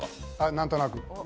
何となく。